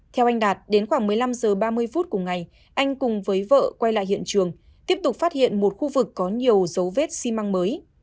theo anh đạt đến khoảng một mươi năm h ba mươi phút cùng ngày anh cùng với vợ quay lại hiện trường tiếp tục phát hiện một khu vực có nhiều dấu vết xi măng mới